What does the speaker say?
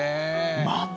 また？